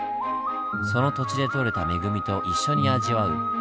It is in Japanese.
その土地で取れた恵みと一緒に味わう